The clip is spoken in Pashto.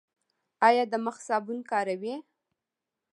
ایا د مخ صابون کاروئ؟